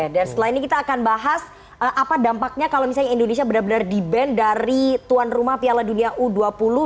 setelah ini kita akan bahas apa dampaknya kalau misalnya indonesia benar benar di ban dari tuan rumah piala dunia u dua puluh